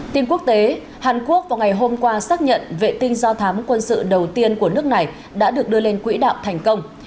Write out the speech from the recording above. tin quốc tế hàn quốc vào ngày hôm qua xác nhận vệ tinh do thám quân sự đầu tiên của nước này đã được đưa lên quỹ đạo thành công